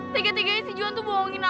tiga tiganya si juan tuh bohongin aku